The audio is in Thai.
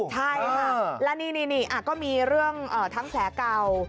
ใช่ค่ะและนี่ก็มีเรื่องทั้งแผลเก่า